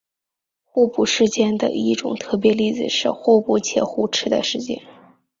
互补事件的一个特别例子是互补且互斥的事件。